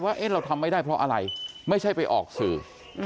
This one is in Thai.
ว่าเราทำไม่ได้เพราะอะไรไม่ใช่ไปออกสื่อ